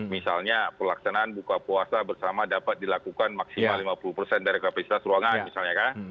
misalnya pelaksanaan buka puasa bersama dapat dilakukan maksimal lima puluh dari kapasitas ruangan misalnya